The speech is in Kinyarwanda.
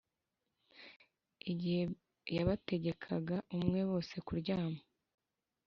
igihe yabategekaga umwe bose kuryama